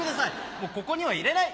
もうここには入れない！